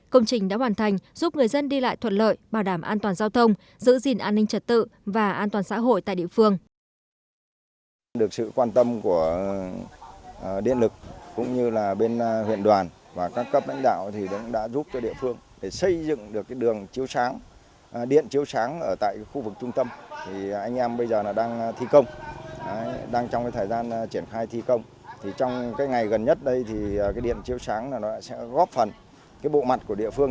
công trình đã hoàn thành giúp người dân đi lại thuận lợi bảo đảm an toàn giao thông giữ gìn an ninh trật tự và an toàn xã hội tại địa phương